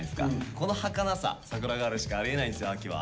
このはかなさ「さくらガール」しかありえないんですよ秋は。